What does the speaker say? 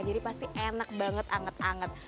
jadi pasti enak banget anget anget